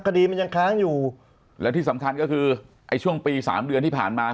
คดีมันยังค้างอยู่แล้วที่สำคัญก็คือไอ้ช่วงปีสามเดือนที่ผ่านมา